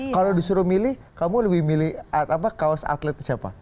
kalau disuruh milih kamu lebih milih kaos atlet siapa